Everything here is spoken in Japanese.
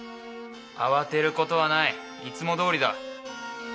慌てることはない。いつもどおりだ。